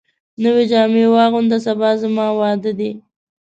نوي جامي واغونده ، سبا زما واده دی